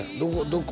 どこ？